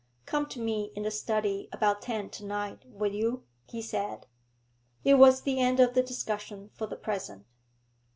'Come to me in the study about ten to night, will you?' he said. It was the end of the discussion for the present.